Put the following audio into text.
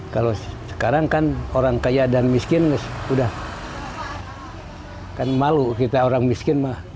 kalau sekarang kan orang kaya dan miskin sudah kan malu kita orang miskin mah